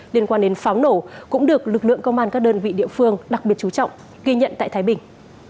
liên quan đến pháo nổ cũng được lực lượng công an các đơn vị địa phương đặc biệt chú trọng ghi nhận tại thái bình